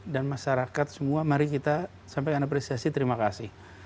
dan masyarakat semua mari kita sampaikan apresiasi terima kasih